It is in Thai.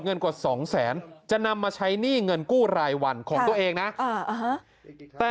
เงินกว่าสองแสนจะนำมาใช้หนี้เงินกู้รายวันของตัวเองนะแต่